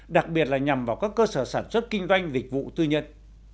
đặc biệt là nhằm vào các cơ sở sản xuất kinh doanh dịch vụ tư nhân